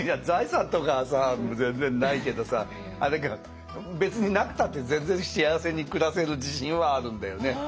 財産とかはさ全然ないけどさ別になくたって全然幸せに暮らせる自信はあるんだよね。